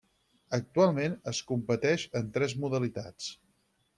Actualment es competeix en tres modalitats.